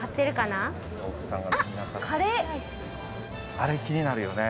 あれ気になるよね。